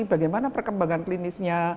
bagaimana perkembangan klinisnya